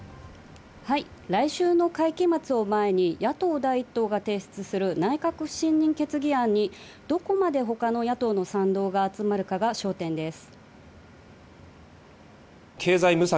来週の会期末を前に、野党第一党が提出する内閣不信任決議案にどこまで他の野党の賛同が集まるかが焦点です。